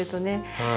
はい。